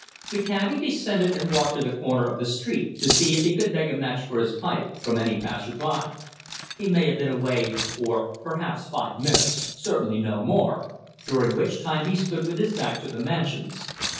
The cabby descended and walked to the corner of the street to see if he could beg a match for his pipe from any passer by. He may have been away for perhaps five minutes, certainly no more, during which time he stood with his back to the Mansions.